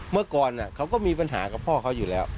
เมื่อก่อนเขาก็มีปัญหากับพ่อเขาอยู่แล้ว